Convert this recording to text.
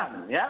itu usulan ya